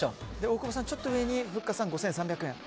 大久保さんのちょっと上にふっかさん、５３００円。